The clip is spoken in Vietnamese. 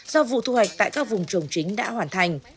do vụ thu hoạch tại các vùng trồng chính đã hoàn thành